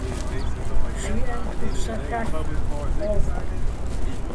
Жиӏэм купщӏэ хэлъкъым, къовэр.